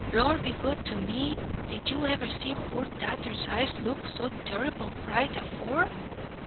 "Lord be good to me, did you ever see poor Tatther's eyes look so terrible bright afore?"